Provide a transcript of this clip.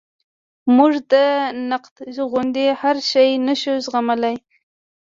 موږ د نقد غوندې هر شی نشو زغملی.